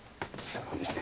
すいません。